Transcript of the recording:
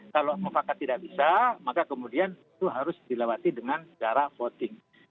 kalau mufakat tidak bisa maka kemudian itu harus dilewati dengan cara voting